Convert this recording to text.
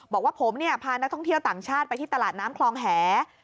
บอกว่าผมพานักท่องเที่ยวต่างชาติไปที่ตลาดน้ำคลองแห